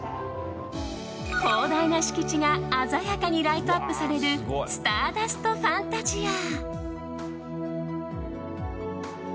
広大な敷地が鮮やかにライトアップされるスターダストファンタジア。